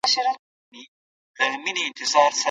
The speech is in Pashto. ولي پاسپورت په نړیواله کچه ارزښت لري؟